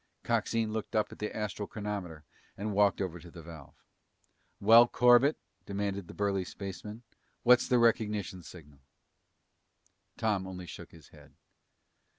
Coxine looked up at the astral chronometer and walked over to the valve. "Well, Corbett," demanded the burly spaceman, "what's the recognition signal?" Tom only shook his head.